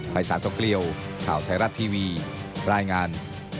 สายตกเกลี้ยวข่าวไทยรัฐทีวีรายงาน